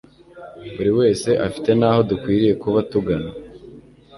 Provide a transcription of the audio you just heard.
buri wese afite n'aho dukwiriye kuba tugana